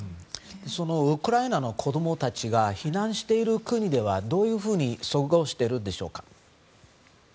そのウクライナの子供たちが避難している国ではどういうふうにしているのでしょうか。